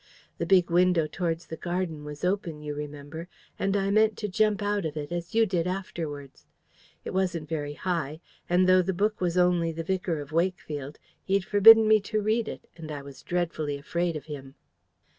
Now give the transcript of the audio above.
The big window towards the garden was open, you remember, and I meant to jump out of it as you did afterwards. It wasn't very high; and though the book was only The Vicar of Wakefield, he'd forbidden me to read it, and I was dreadfully afraid of him."